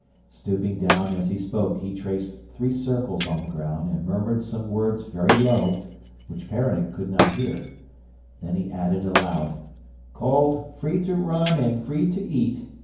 Stooping down as he spoke he traced three circles on the ground and murmured some words very low, which Peronnik could not hear. Then he added aloud: Colt, free to run and free to eat.